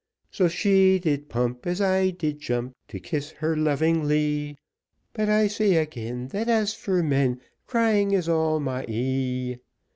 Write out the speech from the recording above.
So she did pump, As I did jump To kiss her lovingly, But, I say again, That as for men, Crying is all my eye.